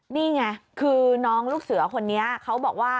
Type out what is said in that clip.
นี่ไงคือน้องลูกเสือคนนี้เขาบอกว่า